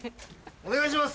お願いします！